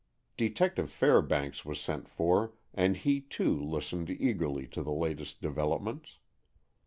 Detective Fairbanks was sent for, and he, too, listened eagerly to the latest developments.